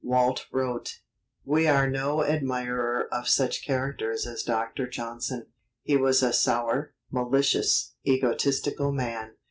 Walt wrote: We are no admirer of such characters as Doctor Johnson. He was a sour, malicious, egotistical man.